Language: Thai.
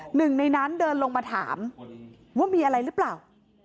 หนึ่งในนั้นเดินลงมาถามว่ามีอะไรหรือเปล่า